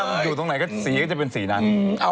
วัดดังอยู่ตรงไหนก็จะเป็นสีนั้น